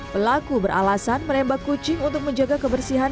pelaku beralasan menembak kucing untuk menjaga kebersihan